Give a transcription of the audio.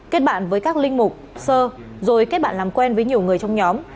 kết bạn với các linh mục sơ rồi kết bạn làm quen với nhiều người trong nhóm